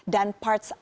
dan penjualan ke jakarta